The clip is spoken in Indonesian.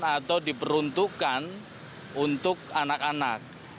atau diperuntukkan untuk anak anak